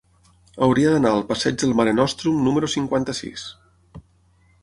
Hauria d'anar al passeig del Mare Nostrum número cinquanta-sis.